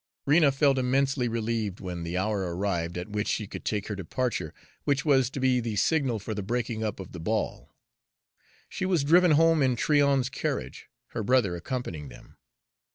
Rena felt immensely relieved when the hour arrived at which she could take her departure, which was to be the signal for the breaking up of the ball. She was driven home in Tryon's carriage, her brother accompanying them.